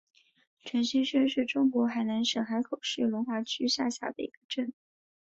城西镇是中国海南省海口市龙华区下辖的一个镇。